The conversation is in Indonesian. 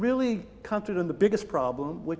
tetapi benar benar berdasarkan masalah terbesar